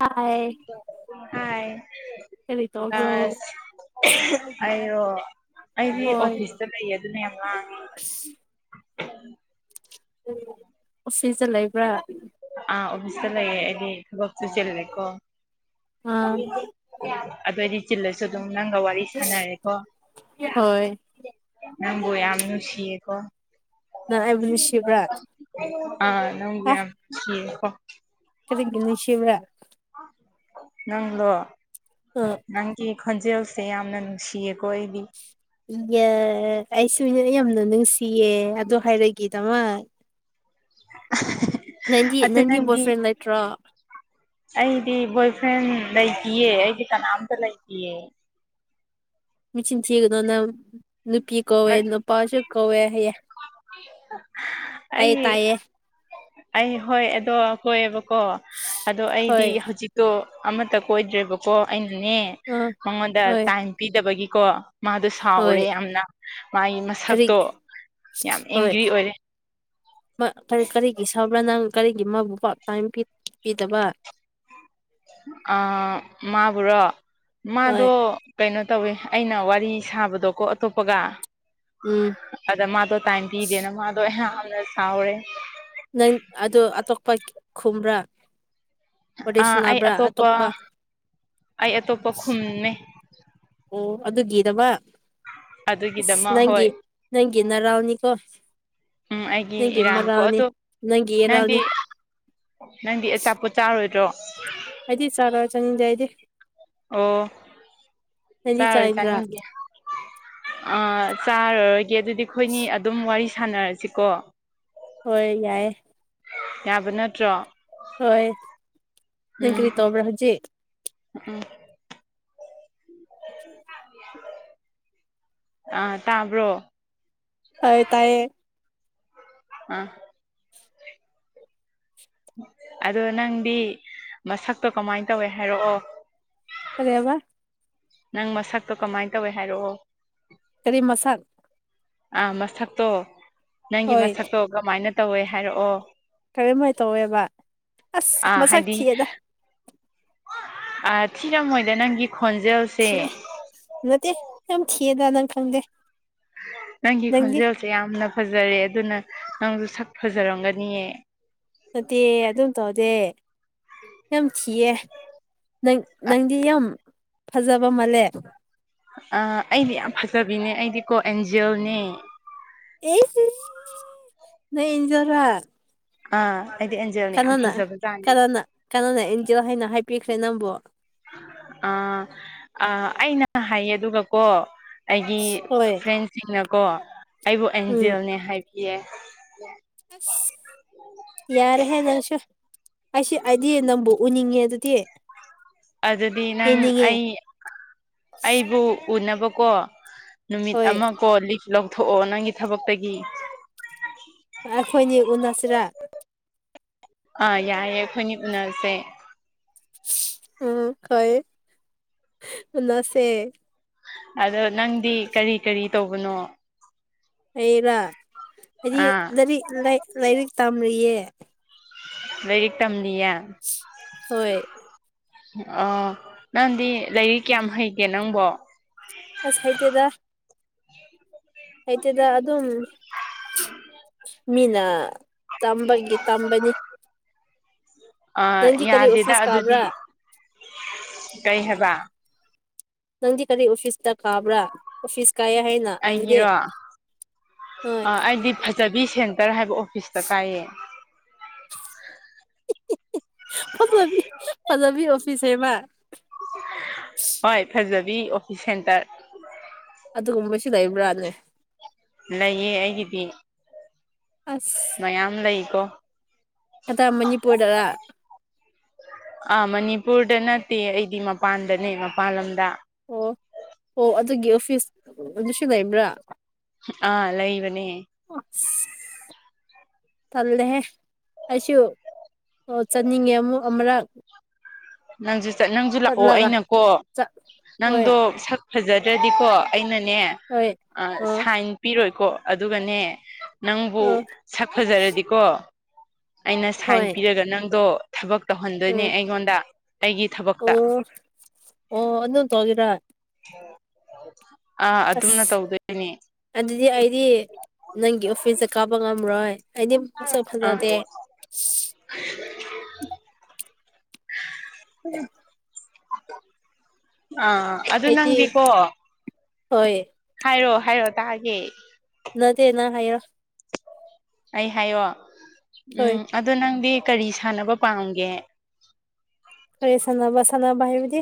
ꯍꯥꯏ hi ꯀꯔꯤ ꯇꯧꯕ꯭ꯔꯣ ꯑꯁ ꯑꯩꯔꯣ ꯑꯩꯗꯤ ꯍꯣꯏ ꯑꯣꯐꯤꯁꯇ ꯂꯩꯌꯦ ꯑꯗꯨꯅ ꯌꯥꯝ ꯂꯥꯥꯡꯉꯦ ꯑꯣꯐꯤꯁꯗ ꯂꯩꯕ꯭ꯔꯥ ꯑꯥ ꯑꯣꯐꯤꯁꯇ ꯂꯩꯌꯦ ꯑꯩꯗꯤ ꯊꯕꯛꯁꯨ ꯆꯤꯥꯜꯂꯦꯀꯣ ꯑꯥ ꯑꯗꯨ ꯑꯩꯗꯤ ꯆꯤꯜꯂꯁꯨ ꯑꯗꯨꯝ ꯅꯪꯒ ꯋꯥꯔꯤ ꯁꯥꯟꯅꯔꯦꯀꯣ ꯍꯣꯏ ꯅꯪꯕꯨ ꯌꯥꯝ ꯅꯨꯡꯁꯤꯌꯦ ꯀꯣ ꯅꯪ ꯑꯩꯕꯨ ꯅꯨꯡꯁꯤꯕ꯭ꯔꯥ ꯑꯥ ꯅꯪꯕꯨ ꯍꯥ ꯌꯥꯝ ꯅꯨꯡꯁꯤꯌꯦ ꯀꯣ ꯀꯔꯤꯒꯤ ꯅꯨꯡꯁꯤꯕ꯭ꯔ ꯅꯪꯂꯣ ꯑ ꯅꯪꯒꯤ ꯈꯣꯟꯖꯦꯜꯁꯦ ꯌꯥꯝꯅ ꯅꯨꯡꯁꯤꯌꯦꯀꯣ ꯑꯩꯗꯤ ꯏꯌꯥ ꯑꯩꯁꯨ ꯅꯪ ꯌꯥꯝꯅ ꯅꯨꯡꯁꯤꯌꯦ ꯑꯗꯨ ꯍꯥꯏꯔꯛꯒꯤꯗꯃꯛ [inaudible] ꯅꯪꯗꯤ ꯅꯪꯗꯤ ꯕꯣꯏ ꯐ꯭ꯔꯦꯟ ꯂꯩꯇ꯭ꯔꯣ ꯑꯩꯗꯤ ꯕꯣꯏ ꯐ꯭ꯔꯦꯟ ꯂꯩꯇꯤꯌꯦ ꯑꯩꯗꯤ ꯀꯅꯥꯝꯇ ꯂꯩꯇꯤꯌꯦ ꯃꯆꯤꯟ ꯊꯤꯒꯅꯨ ꯅꯪ ꯅꯨꯄꯤ ꯀꯧꯋꯦ ꯅꯨꯄꯥꯁꯨ ꯀꯧꯋꯦ ꯍꯥꯏꯌꯦ ꯑꯩ ꯑꯩ ꯍꯣꯏ ꯑꯗꯣ ꯀꯣꯏꯌꯦꯕꯀꯣ ꯑꯗꯣ ꯑꯩꯗꯤ ꯍꯣꯏ ꯍꯧꯖꯤꯛ ꯑꯣ ꯑꯃꯠꯇ ꯀꯣꯏꯗ꯭ꯔꯦꯕꯀꯣ ꯑꯩꯅꯅꯦ ꯑꯥ ꯃꯉꯣꯟꯗ ꯍꯣꯏ ꯇꯥꯏꯝ ꯄꯤꯗꯕꯒꯤꯀꯣ ꯃꯥꯗꯣ ꯍꯣꯏ ꯁꯥꯎꯔꯦ ꯌꯥꯝꯅ ꯃꯥꯏ ꯀꯔꯤ ꯃꯁꯛꯇꯣ ꯌꯥꯝ ꯍꯣꯏ ꯑꯦꯡꯒ꯭ꯔꯤ ꯑꯣꯏꯔꯦ ꯃꯥ ꯀ ꯀꯔꯤꯒꯤ ꯁꯥꯎꯕ꯭ꯔꯥ ꯅꯪ ꯀꯔꯤꯒꯤ ꯃꯥꯕꯨ ꯄꯥꯠ ꯇꯥꯏꯝ ꯄꯤ ꯄꯤꯗꯕ ꯑ ꯃꯥꯕꯨꯨꯔꯣ ꯍꯣꯏ ꯃꯥꯗꯣ ꯀꯩꯅꯣ ꯇꯧꯋꯦ ꯑꯩꯅ ꯋꯥꯔꯤ ꯁꯥꯕꯗꯣꯀꯣ ꯑꯇꯣꯞꯄꯒ ꯎꯝ ꯑꯗꯥ ꯃꯥꯗꯣ ꯇꯥꯏꯝ ꯄꯤꯗꯦꯅ ꯃꯥꯗꯣ ꯌꯥꯝꯅ ꯁꯥꯎꯌꯦ ꯅꯪ ꯑꯗꯨ ꯑꯇꯣꯞꯄ ꯈꯨꯝꯕ꯭ꯔꯥ ꯋꯥꯔꯤ ꯑꯥ ꯑꯩ ꯁꯥꯟꯅꯕ꯭ꯔꯥ ꯑꯇꯣꯞꯄ ꯑꯝꯃꯦ ꯑꯝ ꯑꯗꯨꯒꯤꯗꯃꯛ ꯑꯁ ꯑꯗꯨꯒꯤꯗꯃꯛ ꯅꯪꯒꯤ ꯍꯣꯏ ꯅꯪꯒꯤ ꯅꯔꯥꯎꯅꯤꯀꯣ ꯎꯝ ꯑꯩꯒꯤ ꯅꯪꯒꯤ ꯏꯔꯥꯟꯀꯣ ꯃꯥꯔꯥꯜꯅꯤ ꯑꯗꯣ ꯅꯪꯒꯤ ꯏꯔꯥꯜꯅꯤ ꯅꯪꯗꯤ ꯅꯪꯗꯤ ꯑꯆꯥꯄꯣꯠ ꯆꯥꯔꯣꯏꯗ꯭ꯔꯣ ꯑꯩꯗꯤ ꯆꯥꯔꯣꯏ ꯆꯪꯅꯤꯡꯗꯦ ꯑꯩꯗꯤ ꯑꯣ ꯅꯪꯗꯤ ꯆꯥꯔꯣꯏ ꯆꯥꯅꯤꯡꯕ꯭ꯔꯥ ꯆꯥꯅꯤꯡꯗꯦ ꯑꯥ ꯆꯥꯔꯔꯣꯏꯒꯦ ꯑꯗꯨꯗꯤ ꯑꯩꯈꯣꯏꯅꯤ ꯑꯗꯨꯝ ꯋꯥꯔꯤ ꯁꯥꯟꯅꯔꯁꯤꯀꯣ ꯍꯣꯏ ꯌꯥꯏꯌꯦ ꯌꯥꯕ ꯅꯠꯇ꯭ꯔꯣ ꯍꯣꯏ ꯅꯪ ꯎꯝ ꯀꯔꯤ ꯇꯧꯕ꯭ꯔꯥ ꯍꯧꯖꯤꯛ ꯎꯝ ꯑꯥ ꯇꯥꯕ꯭ꯔꯣ ꯇꯥꯏꯌꯦ ꯇꯥꯏꯌꯦ ꯑꯥ ꯑꯗꯣ ꯅꯪꯗꯤ ꯃꯁꯛꯇꯣ ꯀꯃꯥꯏꯟ ꯇꯧꯋꯦ ꯍꯥꯏꯔꯛꯑꯣ ꯀꯔꯤ ꯍꯥꯏꯕ ꯅꯪ ꯃꯁꯛꯇꯣ ꯀꯃꯥꯏꯟ ꯇꯧꯋꯦ ꯍꯥꯏꯔꯛꯑꯣ ꯀꯔꯤ ꯃꯁꯛ ꯑꯥ ꯃꯁꯛꯇꯣ ꯅꯪꯒꯤ ꯍꯣꯏ ꯃꯁꯛꯇꯣ ꯀꯃꯥꯏꯅ ꯇꯧꯋꯦ ꯍꯥꯏꯔꯛꯑꯣ ꯀꯔꯤꯝꯃꯥꯏꯅ ꯇꯧꯋꯦꯕ ꯑꯁ ꯑꯥ ꯃꯁꯛ ꯍꯥꯏꯗꯤ ꯊꯤꯌꯦꯗ ꯑꯥ ꯊꯤꯔꯝꯃꯣꯏꯗ ꯅꯪꯒꯤ ꯈꯣꯟꯖꯦꯜ ꯊꯤꯌꯦ ꯐꯖꯗꯦ ꯌꯥꯝ ꯊꯤꯌꯦꯗ ꯅꯪ ꯈꯪꯗꯦ ꯅꯪꯒꯤ ꯅꯪꯗꯤ ꯈꯣꯟꯖꯦꯜꯁꯦ ꯌꯥꯝꯅ ꯐꯥꯖꯔꯦ ꯑꯗꯨꯅ ꯅꯪꯁꯨ ꯁꯛ ꯐꯥꯖꯔꯝꯒꯅꯤꯌꯦ ꯅꯠꯇꯦ ꯑꯗꯨꯝ ꯇꯧꯗꯦ ꯌꯥꯝ ꯊꯤꯌꯦ ꯅꯪ ꯅꯪꯗꯤ ꯌꯥꯝ ꯐꯥꯖꯕ ꯃꯥꯜꯂꯦ ꯑꯥ ꯑꯩꯗꯤ ꯌꯥꯝ ꯐꯥꯖꯕꯤꯅꯦ ꯑꯩꯗꯤ ꯀꯣ ꯑꯦꯟꯖꯦꯜꯅꯦ ꯏꯁ ꯏꯁ ꯅꯪ ꯑꯦꯟꯖꯦꯜꯔꯣ ꯑꯥ ꯑꯩꯗꯤ ꯑꯦꯟꯖꯦꯜꯅ ꯌꯥꯝ ꯐꯖꯕꯖꯥꯠꯅꯤ ꯀꯅꯥꯅ ꯀꯅꯥꯅ ꯑꯦꯟꯖꯦꯜ ꯍꯥꯏꯅ ꯍꯥꯏꯕꯤꯈ꯭ꯔꯦ ꯅꯪꯕꯨ ꯑꯥ ꯑꯥ ꯑꯩꯅ ꯍꯥꯏꯌꯦ ꯑꯗꯨꯒꯀꯣ ꯑꯩꯒꯤ ꯍꯣꯏ ꯐ꯭ꯔꯦꯟꯁꯤꯡꯅꯀꯣ ꯑꯩꯕꯨ ꯎꯝ ꯑꯦꯟꯖꯦꯜꯅꯦ ꯍꯥꯏꯕꯤꯌꯦ [unintelligible] ꯌꯥꯔꯦꯍꯦ ꯅꯪꯁꯨ ꯑꯩꯁꯨ ꯑꯩꯗꯤ ꯅꯪꯕꯨ ꯎꯅꯤꯡꯉꯦ ꯑꯗꯨꯗꯤ ꯑꯗꯨꯗꯤ ꯅꯪ ꯌꯦꯡꯅꯤꯡꯉꯦ ꯑꯩ ꯑꯩꯕꯨ ꯎꯅꯕꯀꯣ ꯅꯨꯃꯤꯠ ꯍꯣꯏ ꯑꯃ ꯀꯣ ꯂꯤꯐ ꯂꯧꯊꯣꯛꯑꯣ ꯅꯪꯒꯤ ꯊꯥꯕꯛꯇꯒꯤ ꯑꯩꯈꯣꯏꯅꯤ ꯎꯅꯁꯤꯔꯥ ꯑꯥ ꯌꯥꯏꯌꯦ ꯑꯩꯈꯣꯏꯅꯤ ꯎꯅꯔꯁꯦ ꯎꯝ ꯈꯣꯏ ꯎꯅꯁꯦ ꯑꯗꯣ ꯅꯪꯗꯤ ꯀꯔꯤ ꯀꯔꯤ ꯇꯧꯕꯅꯣ ꯑꯩꯔꯥ ꯑꯩꯗꯤ ꯑꯥ ꯂꯥꯏꯔꯤꯛ ꯂꯥꯏꯔꯤꯛ ꯇꯝꯔꯤꯌꯦ ꯂꯥꯏꯔꯤꯛ ꯇꯝꯂꯤꯌꯦ ꯍꯣꯏ ꯑꯥ ꯅꯪꯗꯤ ꯂꯥꯏꯌꯤꯛ ꯀꯌꯥꯝ ꯍꯩꯒꯦ ꯅꯪꯕꯣ꯫ ꯑꯁ ꯍꯩꯇꯦꯗ ꯍꯩꯇꯦꯗ ꯑꯗꯨꯝ ꯃꯤꯅ ꯇꯝꯕꯒꯤ ꯇꯝꯕꯅꯤ ꯑꯥ ꯅꯪꯗꯤ ꯀꯔꯤ ꯌꯥꯗꯦꯗ ꯑꯣꯐꯤꯁ ꯑꯗꯨꯗꯤ ꯀꯥꯕ꯭ꯔꯥ ꯀꯩ ꯍꯥꯏꯕ ꯅꯪꯗꯤ ꯀꯔꯤ ꯑꯣꯐꯤꯁꯇ ꯀꯥꯕ꯭ꯔꯥ ꯑꯣꯐꯤꯁ ꯀꯥꯏꯌꯦ ꯍꯥꯏꯅ ꯅꯪꯗꯤ ꯑꯩꯒꯤꯔꯣ ꯑ ꯍꯣꯏ ꯑꯩꯗꯤ ꯐꯖꯕꯤ ꯁꯦꯟꯇꯔ ꯍꯥꯏꯕ ꯑꯣꯐꯤꯁꯇ ꯀꯥꯏꯌꯦ ꯐꯖꯕꯤ ꯐꯖꯕꯤ ꯑꯣꯐꯤꯁ ꯍꯥꯏꯕꯥ ꯍꯣꯏ ꯐꯖꯕꯤ ꯑꯣꯐꯤꯁ ꯁꯦꯟꯇꯔ ꯑꯗꯨꯒꯨꯝꯕꯩꯁꯨ ꯂꯩꯕ꯭ꯔꯥꯅꯦ ꯂꯩꯌꯦ ꯑꯩꯒꯤꯗꯤ ꯑꯁ ꯃꯌꯥꯝ ꯂꯩꯀꯣ ꯑꯗ ꯃꯅꯤꯄꯨꯔꯗꯔꯥ ꯑꯥ ꯃꯅꯤꯄꯨꯔꯗ ꯅꯠꯇꯦ ꯑꯩꯗꯤ ꯃꯄꯥꯟꯗꯅꯦ ꯃꯄꯥꯟ ꯂꯝꯗ ꯑꯣ ꯑꯣ ꯑꯗꯨꯒꯤ ꯑꯣꯐꯤꯁ ꯑꯗꯨꯁꯨ ꯂꯩꯕ꯭ꯔꯥ ꯑꯥ ꯂꯩꯕꯅꯦ ꯑꯣꯠꯁ ꯇꯜꯂꯦꯍꯦ ꯑꯩꯁꯨ ꯑꯣ ꯆꯠꯅꯤꯡꯉꯦ ꯑꯃꯨꯛ ꯑꯃꯔꯛ ꯅꯪꯖꯨ ꯆꯠ ꯅꯪꯖꯨ ꯂꯥꯛꯑꯣ ꯆꯠꯂꯒ ꯑꯩꯅꯀꯣ ꯆꯠ ꯍꯣꯏ ꯅꯪꯗꯣ ꯁꯛ__ ꯐꯖꯗ꯭ꯔꯗꯤꯀꯣ ꯑꯩꯅꯅꯦ ꯑ ꯁꯥꯏꯟ ꯄꯤꯔꯣꯏꯀꯣ ꯑꯗꯨꯒꯅꯦ ꯅꯪꯕꯨ ꯑ ꯁꯛ ꯐꯖꯔꯗꯤꯀꯣ ꯑꯩꯅ ꯁꯥꯏꯟ ꯍꯣꯏ ꯄꯤꯔꯒ ꯅꯪꯗꯣ ꯊꯕꯛ ꯇꯧꯍꯟꯗꯣꯏꯅꯦ ꯎꯝ ꯑꯩꯉꯣꯟꯗ ꯑꯩꯒꯤ ꯊꯕꯛꯇ ꯑꯣ ꯑꯣ ꯑꯗꯨꯝ ꯇꯧꯒꯦꯔꯥ ꯑꯥ ꯑꯗꯨꯝꯅ ꯑꯁ ꯇꯧꯗꯣꯏꯅꯦ ꯑꯗꯨꯗꯤ ꯑꯩꯗꯤ ꯅꯪꯒꯤ ꯑꯣꯐꯤꯁꯇ ꯀꯥꯕ ꯉꯝꯔꯣꯏ ꯑꯩꯗꯤ ꯃꯁꯛ ꯑꯥ ꯐꯥꯖꯗꯦ [inaudible] ꯑꯥ ꯑꯗꯨ ꯑꯩꯗꯤ ꯅꯪꯗꯤꯀꯣ ꯍꯣꯏ ꯍꯥꯏꯔꯣ ꯍꯥꯏꯔꯛꯑꯣ ꯇꯥꯒꯦ ꯅꯠꯇꯦꯅ ꯍꯥꯏꯔꯣ ꯑꯩ ꯍꯥꯏꯌꯣ ꯍꯣꯏ ꯎꯝ ꯑꯗꯣ ꯅꯪꯗꯤ ꯀꯔꯤ ꯁꯥꯟꯅꯕ ꯄꯥꯝꯒꯦ ꯀꯔꯤ ꯁꯥꯟꯅꯕ ꯁꯥꯟꯅꯕ ꯍꯥꯏꯕꯗꯤ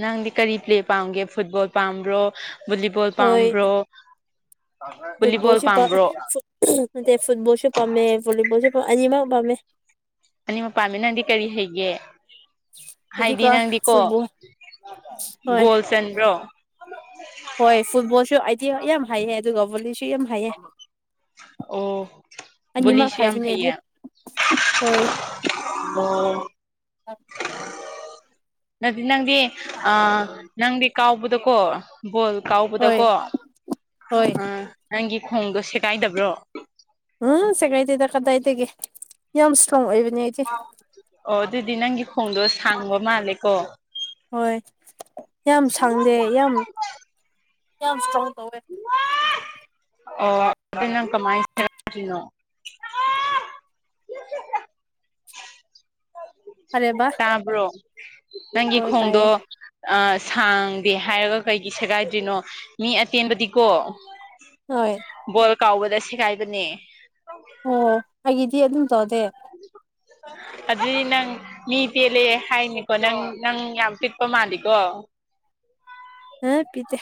ꯅꯪꯗꯤ ꯀꯔꯤ ꯄ꯭ꯂꯦ ꯄꯥꯝꯒꯦ ꯐꯨꯠꯕꯣꯜ ꯄꯥꯝꯕ꯭ꯔꯣ ꯚꯣꯂꯤꯕꯣꯜ ꯍꯣꯏ ꯄꯥꯝꯕ꯭ꯔꯣ ꯚꯣꯂꯤꯕꯣꯜ ꯄꯥꯝꯕ꯭ꯔꯣ ꯅꯇꯦ ꯐꯨꯠꯕꯣꯜꯁꯨ ꯄꯥꯝꯃꯦ ꯕꯣꯂꯤꯕꯣꯜꯖꯨ ꯄ ꯑꯅꯤ ꯃꯛ ꯄꯥꯝꯃꯦ ꯑꯅꯤ ꯃꯛ ꯄꯥꯝꯃꯦ ꯅꯪꯗꯤ ꯀꯔꯤ ꯍꯩꯒꯦ ꯍꯥꯏꯗꯤ ꯑꯩꯗꯤꯀꯣ ꯅꯪꯗꯤꯀꯣ ꯐꯨꯠꯕꯣꯜ ꯍꯣꯏ ꯒꯣꯜ ꯆꯟꯕ꯭ꯔꯣ ꯍꯣꯏ ꯐꯨꯠꯕꯣꯜꯁꯨ ꯑꯩꯗꯤꯌꯥ ꯌꯥꯝ ꯍꯩꯌꯦ ꯑꯗꯨꯒ ꯚꯣꯂꯤꯁꯨ ꯌꯥꯝ ꯍꯩꯌꯦ ꯑꯣ ꯑꯅꯤꯃꯛ ꯕꯣꯂꯤꯁꯨ ꯌꯥꯝ ꯍꯩꯕꯅꯦꯗꯤ ꯍꯣꯏ ꯑꯣꯝ ꯑꯥꯛ [unintelligible] ꯅꯇꯦ ꯅꯪꯗꯤ ꯑ ꯅꯪꯗꯤ ꯀꯥꯎꯕꯗꯀꯣ ꯕꯣꯜ ꯍꯣꯏ ꯀꯥꯎꯕꯗꯀꯣ ꯍꯣꯏ ꯑ ꯅꯪꯒꯤ ꯈꯣꯡꯗꯣ ꯁꯦꯒꯥꯏꯗꯕ꯭ꯔꯣ ꯎꯝ ꯁꯦꯒꯥꯏꯗꯦꯗ ꯀꯗꯥꯏꯗꯒꯤ ꯌꯥꯝ ꯏꯁꯇ꯭ꯔꯣꯡ ꯑꯣꯏꯕꯅꯦ ꯑꯩꯗꯤ ꯑꯣ ꯑꯗꯨꯗꯤ ꯅꯪꯒꯤ ꯈꯣꯡꯗꯣ ꯁꯥꯡꯕ ꯃꯥꯜꯂꯦꯀꯣ ꯍꯣꯏ ꯌꯥꯝ ꯁꯥꯡꯗꯦ ꯌꯥꯝ ꯌꯥꯝ ꯏꯁꯇ꯭ꯔꯣꯡ [unintelligible] ꯇꯧꯋꯦ [inaudible] ꯑꯣ ꯑꯗꯨ ꯀꯃꯥꯏ [unintelligible] [inaudible] ꯀꯔꯦꯕ ꯇꯥꯕ꯭ꯔꯣ ꯅꯪꯒꯤ ꯍꯣꯏ ꯈꯣꯡꯗꯣ ꯇꯥꯏꯌꯦ ꯑ ꯁꯥꯡꯗꯦ ꯍꯥꯏꯔꯒ ꯀꯩꯒꯤ ꯁꯦꯒꯥꯏꯗ꯭ꯔꯤꯅꯣ ꯃꯤ ꯑꯇꯦꯟꯕꯗꯤꯀꯣ ꯍꯣꯏ ꯕꯣꯜ ꯀꯥꯎꯕꯗ ꯁꯦꯒꯥꯏꯕꯅꯦ ꯑꯣꯦ [unintelligible] ꯑꯣ ꯑꯩꯒꯤꯗꯤ ꯑꯗꯨꯝ ꯇꯧꯗꯦ ꯑꯗꯨꯗꯤ ꯅꯪ ꯃꯤ ꯄꯦꯜꯂꯦ ꯍꯥꯏꯅꯤꯀꯣ ꯅꯪ ꯅꯪ ꯌꯥꯝ ꯄꯤꯛꯄ ꯃꯥꯜꯂꯤꯀꯣ ꯍꯥ ꯄꯤꯇꯦ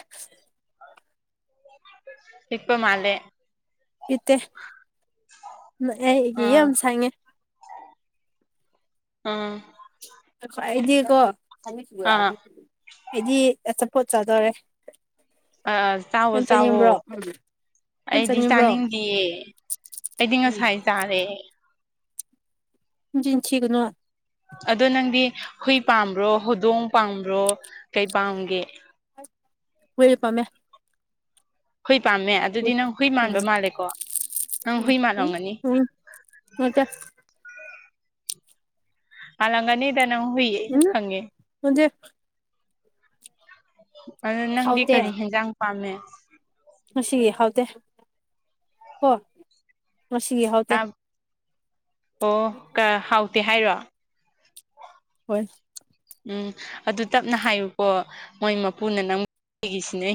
ꯄꯤꯛꯄ ꯃꯥꯂꯦ ꯄꯤꯠꯇꯦ ꯑꯩꯒꯤ ꯑꯥ ꯌꯥꯝ ꯁꯥꯡꯉꯦ ꯑꯥ ꯑꯩꯗꯤꯀꯣ ꯑꯥ ꯑꯩꯗꯤ ꯑꯆꯥꯄꯣꯠ ꯆꯥꯗꯣꯔꯦ ꯑ ꯆꯋꯣ ꯅꯪ ꯆꯋꯣ ꯆꯥꯅꯤꯡꯕ꯭ꯔꯣ ꯅꯪ ꯑꯩꯗꯤ ꯆꯥꯅꯤꯡꯕ꯭ꯔꯣ ꯆꯥꯅꯤꯡꯗꯤꯌꯦ ꯑꯩꯗꯤ ꯉꯁꯥꯏ ꯆꯥꯔꯦ ꯅꯆꯤꯟ ꯊꯤꯒꯅꯣ ꯑꯗꯣ ꯅꯪꯗꯤ ꯍꯨꯏ ꯄꯥꯝꯕ꯭ꯔꯣ ꯍꯧꯨꯗꯣꯡ ꯄꯥꯝꯕ꯭ꯔꯣ ꯀꯩ ꯄꯥꯝꯒꯦ ꯍꯨꯏ ꯄꯥꯝꯃꯦ ꯍꯨꯏ ꯄꯥꯝꯃꯦ ꯋꯦ ꯑꯗꯨꯗꯤ ꯅꯪ ꯍꯨꯏ ꯃꯥꯟꯕ ꯎꯝ ꯃꯥꯜꯂꯦꯀꯣ ꯅꯪ ꯍꯨꯏ ꯎꯝ ꯃꯥꯜꯂꯝꯒꯅꯤ ꯎꯝ ꯅꯠꯇꯦ ꯃꯥꯜꯂꯝꯒꯅꯤꯗ ꯅꯪ ꯍꯨꯏ ꯑꯩꯅ ꯈꯪꯉꯦ ꯍꯧꯦ [unintelligible] ꯑꯗꯨ ꯅꯪꯗꯤ ꯍꯥꯎꯇꯦ ꯀꯔꯤ ꯍꯦꯟꯖꯥꯡ ꯄꯥꯝꯃꯦ ꯉꯁꯤꯒꯤ ꯍꯥꯎꯇꯦ ꯀꯣ ꯉꯁꯤꯒꯤ ꯍꯥꯎꯇꯦ ꯑꯣ ꯀ ꯍꯥꯎꯇꯦ ꯍꯥꯏꯔꯣ ꯍꯣꯏ ꯎꯝ ꯑꯗꯨ ꯇꯞꯅ ꯍꯥꯏꯌꯨꯀꯣ ꯃꯣꯏ ꯃꯄꯨꯅ ꯅꯪꯒꯤꯁꯤꯅꯦ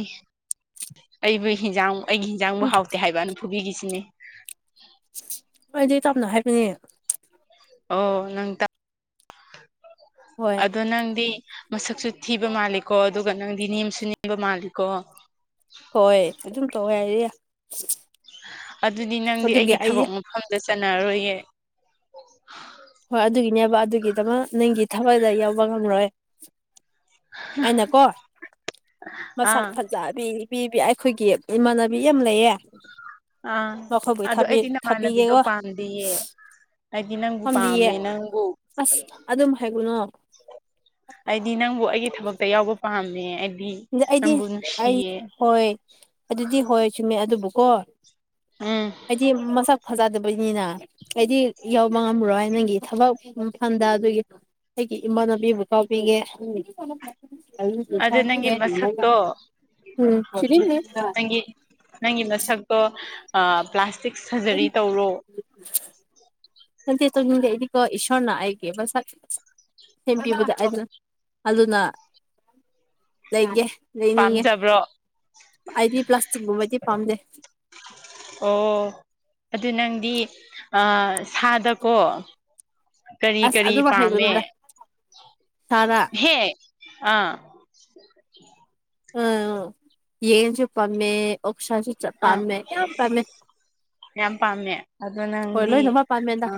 ꯑꯩꯕꯨ ꯍꯟꯖꯥꯡ ꯑꯩꯒꯤ ꯍꯤꯟꯖꯥꯡꯕꯨ ꯎꯝ ꯍꯥꯎꯇꯦ ꯍꯥꯏꯕꯅ ꯐꯨꯕꯤꯈꯤꯁꯤꯅꯦ ꯑꯩꯗꯤ ꯇꯞꯅ ꯍꯥꯏꯕꯅꯦ ꯑꯣ ꯅꯪ ꯇꯞ ꯍꯣꯏ ꯑꯗꯣ ꯅꯪꯗꯤ ꯃꯁꯛꯁꯨ ꯊꯤꯕ ꯃꯥꯜꯂꯤꯀꯣ ꯑꯗꯨꯒ ꯅꯪꯗꯤ ꯅꯦꯝꯁꯨ ꯅꯦꯝꯕ ꯃꯥꯜꯂꯤꯀꯣ ꯍꯣꯏ ꯑꯗꯨꯝ ꯇꯧꯋꯦ ꯍꯥꯏꯗꯤ ꯑꯗꯨꯗꯤ ꯅꯪꯗꯤ ꯑꯗꯨꯒꯤ ꯑꯩꯒꯤ ꯑꯩꯗꯤ ꯊꯕꯛ ꯃꯐꯝꯗ ꯆꯟꯅꯔꯔꯣꯏꯌꯦ ꯍꯣꯏ ꯑꯗꯨꯒꯤꯅꯦꯕ ꯑꯗꯨꯒꯤꯗꯃꯛ ꯅꯪꯒꯤ ꯊꯕꯛꯗ ꯌꯥꯎꯕ ꯉꯝꯔꯣꯏ ꯑꯩꯅꯀꯣ ꯃꯁꯛ ꯑꯥ ꯐꯖꯕꯤ ꯄꯤꯕꯤ ꯑꯩꯈꯣꯏꯒꯤ ꯏꯃꯥꯟꯅꯕꯤ ꯌꯥꯝ ꯂꯩꯌꯦ ꯑꯥ ꯃꯈꯣꯏꯕꯨ ꯑꯗꯣ ꯊꯥꯕꯤ ꯑꯩꯗꯤ ꯅꯃꯥꯟꯅꯕꯤꯗꯣ ꯊꯥꯄꯤꯒꯦꯀꯣ ꯄꯥꯝꯗꯤꯌꯦ ꯑꯩꯗꯤ ꯅꯪꯕꯨ ꯉꯝꯕꯤꯌꯦ ꯄꯥꯝꯃꯦ ꯅꯪꯕꯨ ꯑꯁ ꯑꯗꯨꯝ ꯍꯥꯏꯒꯅꯨ ꯑꯩꯗꯤ ꯅꯪꯕꯨ ꯑꯩꯒꯤ ꯊꯕꯛꯇ ꯌꯥꯎꯕ ꯄꯥꯝꯃꯦ ꯑꯩꯗꯤ ꯑꯩꯗꯤ ꯅꯪꯕꯨ ꯑꯩ ꯅꯨꯡꯁꯤꯌꯦ ꯍꯣꯏ ꯑꯗꯨꯗꯤ ꯍꯣꯏ ꯆꯨꯝꯃꯦ ꯑꯗꯨꯕꯨꯀꯣ ꯎꯝ ꯑꯩꯗꯤ ꯃꯁꯥꯛ ꯐꯖꯥꯗꯕ ꯗꯕꯅꯤꯅ ꯑꯩꯗꯤ ꯌꯥꯎꯕ ꯉꯝꯃ꯭ꯔꯣꯏ ꯅꯪꯒꯤ ꯊꯕꯛ ꯃꯐꯝꯟꯗ ꯑꯗꯨꯒꯤ ꯑꯩꯒꯤ ꯏꯃꯥꯟꯅꯕꯤꯕꯨ ꯇꯥꯛꯕꯤꯒꯦ [unintelligible] ꯑꯗꯨ ꯅꯪꯒꯤ ꯋ°ꯠ ꯃꯁꯛꯇꯣ [unintelligible] ꯅꯪꯒꯤ ꯅꯪꯒꯤ ꯃꯁꯛꯇꯣ ꯄ꯭ꯂꯥꯁꯇꯤꯛ ꯁꯔꯖꯔꯤ ꯇꯧꯔꯣ [unintelligible] ꯏꯁꯣꯔꯅ ꯑꯩꯒꯥ ꯃꯁꯛ [unintelligible] ꯑꯗꯨꯅ ꯂꯩꯒꯦ ꯂꯩꯅꯤꯡꯉꯦ ꯄꯥꯝꯖꯕ꯭ꯔꯣ ꯑꯩꯗꯤ ꯄ꯭ꯂꯥꯁꯇꯤꯛꯒꯨꯝꯕꯗꯤ ꯄꯥꯝꯗꯦ ꯑꯣ ꯑꯗꯨ ꯅꯪꯗꯤ ꯁꯥꯗꯀꯣ ꯀꯔꯤ ꯑꯁ ꯀꯔꯤ ꯑꯗꯨꯃ ꯄꯥꯝꯃꯦ ꯍꯥꯏꯒꯅꯨꯗ ꯁꯥꯔꯥ ꯍꯦ ꯑꯥ ꯑꯥ ꯌꯦꯟꯁꯨ ꯄꯝꯃꯦ ꯑꯣꯁꯥꯁꯨ ꯑꯥ ꯆꯞꯄꯥꯝꯃꯦ ꯌꯥ ꯄꯝꯃꯦ ꯌꯥꯝ ꯄꯥꯝꯃꯦ ꯑꯗꯣ ꯅꯪꯗꯤ ꯂꯣꯏꯅꯃꯛ ꯄꯥꯝꯃꯦꯗ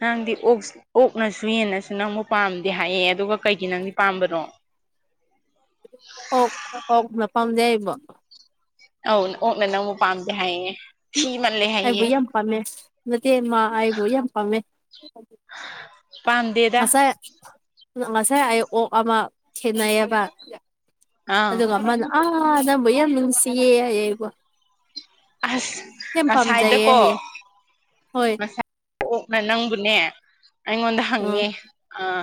ꯅꯪꯗꯤ ꯑꯣꯛ ꯑꯣꯛꯅꯁꯨ ꯍꯦꯟꯅꯁꯨ ꯅꯪꯕꯨ ꯄꯥꯝꯗꯦ ꯍꯥꯏꯌꯦ ꯑꯗꯨꯒ ꯀꯩꯒꯤ ꯅꯪꯗꯤ ꯄꯥꯝꯕꯅꯣ ꯑꯣꯛ ꯑꯣꯛꯅ ꯄꯥꯝꯗ° ꯍꯥꯏꯕꯣ ꯑꯧ ꯑꯣꯛꯅ ꯅꯪꯕꯨꯨ ꯄꯥꯝꯗꯦ ꯍꯥꯏꯌꯦ ꯊꯤ ꯃꯜꯂꯦ ꯑꯩꯕꯨ ꯍꯥꯏꯌꯦ ꯌꯥꯝ ꯄꯥꯝꯃꯦ ꯅꯠꯇꯦ ꯃꯥ ꯑꯩꯕꯨ ꯌꯥꯝ ꯄꯥꯝꯃꯦ ꯄꯥꯝꯗꯦꯗ ꯉꯁꯥꯏ ꯉꯁꯥꯏ ꯑꯩ ꯑꯣꯛ ꯑꯃ ꯊꯦꯟꯅꯩꯑꯕ ꯑꯥ ꯑꯗꯨꯒ ꯑꯃꯅ ꯑꯥ ꯅꯪꯕꯨ ꯌꯥꯝ ꯅꯨꯡꯁꯤꯌꯦ ꯍꯌꯦ ꯑꯩꯕꯨ ꯑꯁ ꯌꯝ ꯄꯥꯝꯖꯥꯏꯌꯦ ꯉꯁꯥꯏꯗꯀꯣ ꯍꯥꯏꯌꯦ ꯍꯣꯏ ꯑꯣꯛꯅ ꯅꯪꯕꯨꯅꯦ ꯑꯩꯉꯣꯟꯗ ꯑꯥ ꯍꯪꯉꯦ ꯑꯥ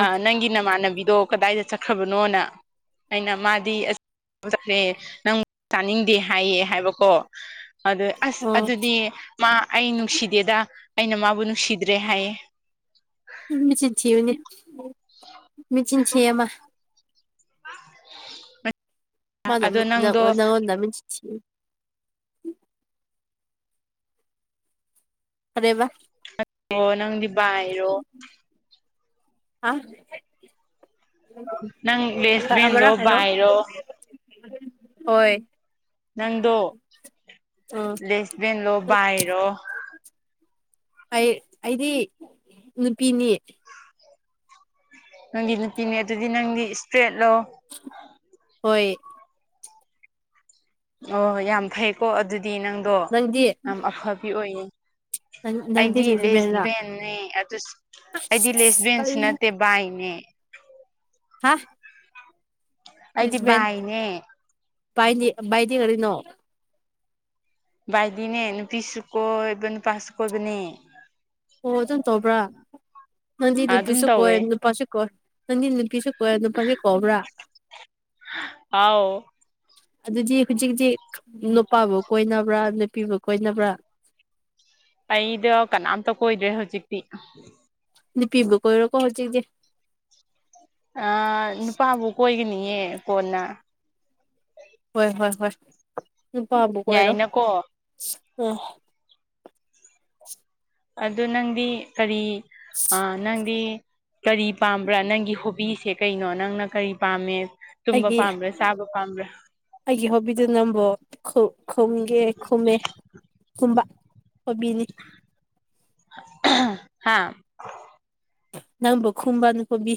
ꯑꯥ ꯅꯪꯒꯤ ꯅꯃꯥꯟꯅꯕꯤꯗꯣ ꯀꯗꯥꯏꯗ ꯆꯠꯈ꯭ꯔꯕꯅꯣꯅ ꯑꯩꯅ ꯃꯥꯗꯤ ꯑꯁ [inaudible] ꯆꯠꯈ꯭ꯔꯦ ꯅꯪ ꯆꯥꯅꯤꯡꯗꯦ ꯍꯥꯏꯌꯦ ꯍꯥꯏꯕꯀꯣ ꯑꯗꯨ ꯑꯁ ꯑꯥ ꯑꯗꯨꯗꯤ ꯃꯥ ꯑꯩ ꯅꯨꯡꯁꯤꯗꯦꯗ ꯑꯩꯅ ꯃꯥꯕꯨ ꯅꯨꯡꯁꯤꯗ꯭ꯔꯦ ꯍꯥꯏꯌꯦ ꯃꯤꯆꯤꯟꯊꯤꯕꯅꯦ ꯃꯤꯆꯤꯟꯊꯤꯌꯦ ꯃꯥ [unintelligible] ꯃꯥꯅꯃꯤ ꯑꯗꯣ ꯅꯪꯗꯣ ꯅꯪꯉꯣꯟꯗ [inaudible] ꯀꯔꯤꯕ ꯑꯣ ꯅꯪꯗꯤ ꯕꯥꯏꯔꯣ [inaudible] ꯅꯪ ꯑꯃꯔꯛ ꯂꯦꯁꯕꯦꯟꯂꯣ ꯍꯥꯏꯔꯣ ꯕꯥꯏꯔꯣ ꯍꯣꯏ ꯑꯥ ꯕꯦꯟꯂꯣ ꯕꯥꯥꯏꯔꯣ ꯑꯩ ꯑꯩꯗꯤ ꯅꯨꯄꯤꯅꯤ ꯅꯪꯗꯤ ꯅꯨꯄꯤꯅꯦ ꯑꯗꯨꯗꯤ ꯅꯪꯗꯤ ꯏꯁꯇ꯭ꯔꯦꯠꯂꯣ ꯍꯣꯏ ꯑꯣ ꯌꯥꯝ ꯐꯩꯀꯣ ꯑꯗꯨꯗꯤ ꯅꯪꯗꯣ ꯅꯪꯗꯤ ꯌꯥꯝ ꯑꯐꯕꯤ ꯑꯣꯏꯌꯦ ꯅꯪꯗꯤ ꯑꯩꯗꯤ ꯂꯦꯁ ꯂꯦꯁꯕꯤꯌꯟꯔꯥ ꯚꯦꯟꯅꯤ ꯑꯗꯨꯁꯨ ꯑꯩꯗꯤ ꯑꯁ ꯂꯦꯁ ꯚꯦꯟꯁꯨ ꯇꯜꯂꯦ ꯅꯠꯇꯦ ꯕꯥꯏꯅꯦ ꯍꯥ ꯑꯩꯗꯤ ꯂ°ꯁ ꯚꯦꯟꯁ ꯕꯥꯏꯅꯦ ꯕꯥꯏꯗꯤ ꯕꯥꯢꯗꯤ ꯀꯔꯤꯅꯣ ꯥꯕꯥꯏꯗꯤꯅꯦ ꯅꯨꯄꯤꯁꯨ ꯀꯣꯏꯕ ꯅꯨꯄꯥꯁꯨ ꯀꯣꯏꯕꯅꯦ ꯑꯣ ꯑꯗꯨꯝ ꯇꯧꯕ꯭ꯔꯥ ꯅꯪꯗꯤ ꯑꯗꯨꯝ ꯅꯨꯄꯤꯁꯨ ꯀꯣꯏ ꯇꯧꯋꯦ ꯅꯨꯄꯥꯁꯨ ꯀꯣꯏ ꯅꯪꯗꯤ ꯅꯨꯄꯤꯁꯨ ꯀꯣꯏ ꯅꯨꯄꯥꯁꯨ ꯀꯣꯏꯕ꯭ꯔꯥ ꯑꯥꯎ ꯑꯗꯨꯗꯤ ꯍꯧꯖꯤꯛꯇꯤ ꯅꯨꯄꯥꯕꯨ ꯀꯣꯏꯅꯕ꯭ꯔꯥ ꯅꯨꯄꯤꯕꯨ ꯀꯣꯏꯅꯕ꯭ꯔꯥ ꯑꯩꯗꯣ ꯀꯅꯥꯝꯇ ꯀꯣꯏꯗ꯭ꯔꯦ ꯍꯧꯖꯤꯛꯇꯤ ꯅꯨꯄꯤꯕꯨ ꯀꯣꯏꯔꯣꯀꯣ ꯍꯧꯖꯤꯛꯇꯤ ꯑꯥ ꯅꯨꯄꯥꯕꯨ ꯀꯣꯏꯒꯅꯤꯌꯦ ꯀꯣꯟꯅ ꯍꯣꯏ ꯍꯣꯏ ꯍꯣꯏ ꯅꯨꯄꯥꯕꯨ ꯀꯣꯏꯔꯣ ꯌꯥꯏꯅꯀꯣ ꯑꯥ ꯑꯗꯨ ꯅꯪꯗꯤ ꯀꯔꯤ ꯑꯥ ꯅꯪꯗꯤ ꯀꯔꯤ ꯄꯥꯝꯕ꯭ꯔꯥ ꯅꯪꯒꯤ ꯍꯣꯕꯤꯁꯦ ꯀꯩꯅꯣ ꯅꯪꯅ ꯀꯔꯤ ꯄꯥꯝꯃꯦ ꯇꯨꯝꯕ ꯑꯩꯒꯤ ꯄꯥꯝꯕ꯭ꯔꯥ ꯆꯥꯕ ꯄꯥꯝꯕ꯭ꯔꯥ ꯑꯩꯒꯤ ꯍꯣꯕꯤꯗꯨ ꯅꯝꯕꯣ ꯈꯨ ꯈꯨꯝꯒꯦ ꯈꯨꯝꯃꯦ ꯈꯨꯝꯕ ꯍꯣꯕꯤꯅꯤ ꯍꯥꯥ ꯅꯪꯕꯨ ꯈꯨꯨꯝꯕꯅ ꯍꯣꯕꯤ